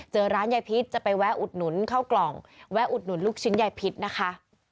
เจอร้านยายพิษจะไปแวะอุดหนุนเข้ากล่องแวะอุดหนุนลูกชิ้นยายพิษนะคะ